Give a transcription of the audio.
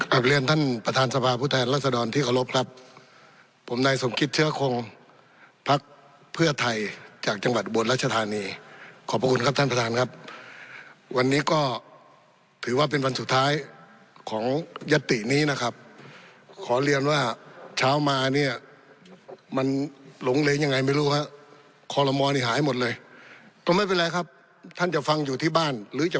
เรียนท่านประธานสภาพผู้แทนรัศดรที่เคารพครับผมนายสมคิตเชื้อคงพักเพื่อไทยจากจังหวัดอุบลรัชธานีขอบพระคุณครับท่านประธานครับวันนี้ก็ถือว่าเป็นวันสุดท้ายของยัตตินี้นะครับขอเรียนว่าเช้ามาเนี่ยมันหลงเล้งยังไงไม่รู้ฮะคอลโมนี่หายหมดเลยก็ไม่เป็นไรครับท่านจะฟังอยู่ที่บ้านหรือจะ